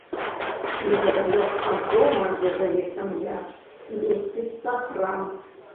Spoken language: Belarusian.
Непадалёк ад дома, дзе жыве сям'я, месціцца храм.